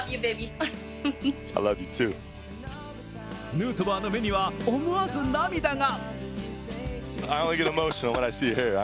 ヌートバーの目には思わず涙が。